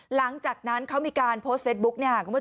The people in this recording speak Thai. หลังจากนั้นเขามีการโพสต์เฟซบุ๊ก